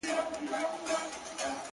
نه نه غلط سوم وطن دي چین دی!.